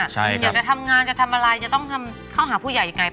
อยากจะทำงานจะทำอะไรจะต้องเข้าหาผู้ใหญ่ยังไง